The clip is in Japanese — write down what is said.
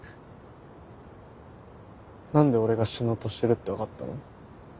何で俺が死のうとしてるって分かったの？